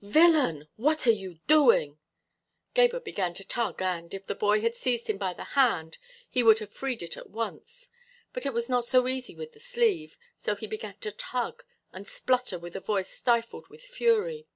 "Villain! What are you doing?" Gebhr began to tug and, if the boy had seized him by the hand, he would have freed it at once, but it was not so easy with the sleeve; so he began to tug, and splutter with a voice stifled with fury.